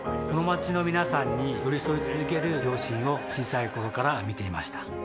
この街の皆さんに寄り添い続ける両親を小さい頃から見ていました